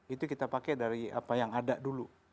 itu kita pakai dari apa yang ada dulu